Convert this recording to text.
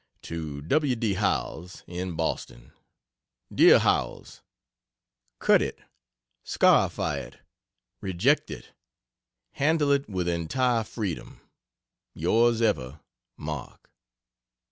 To W. D. Howells, in Boston: DEAR HOWELLS, Cut it, scarify it, reject it handle it with entire freedom. Yrs ever, MARK.